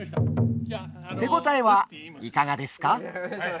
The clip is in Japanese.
手応えはいかがですか？